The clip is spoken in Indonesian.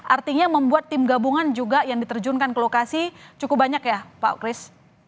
artinya membuat tim gabungan juga yang diterjunkan ke lokasi cukup banyak ya pak kris